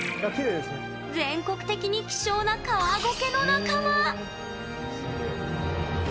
全国的に希少なカワゴケの仲間！